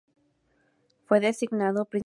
Fue designado, principalmente como el atleta.